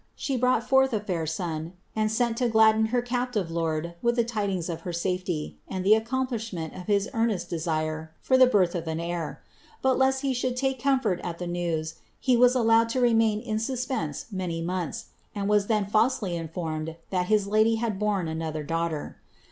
She brought forth a fair son, and seni lo gladden her captive lord with the tidings of her safety, and the ac BLISABBTH. 1ft it of his earnest desire for the hirth of an heir ; hut lest he somfort at the news, he was allowed to remain in suspense B, and was then falsely informed that his lady had borne hter.'